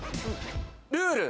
ルール。